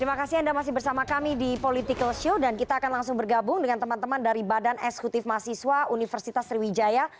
terima kasih anda masih bersama kami di political show dan kita akan langsung bergabung dengan teman teman dari badan eksekutif mahasiswa universitas sriwijaya